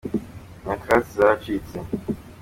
nyakatsi zaracitse